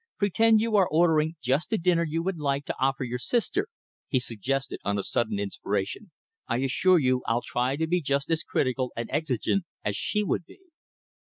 Pretend you are ordering just the dinner you would like to offer your sister," he suggested on a sudden inspiration. "I assure you I'll try to be just as critical and exigent as she would be."